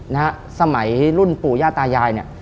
ในสมัยรุ่นปู่ย่าตายาย